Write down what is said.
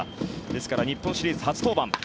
ですから日本シリーズ初登板。